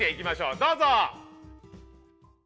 どうぞ！